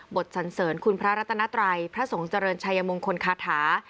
บทซัลเสินคุณพระอตนตรายพระสวงษ์เจริญชายมงคลคฆา